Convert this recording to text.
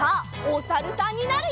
おさるさん。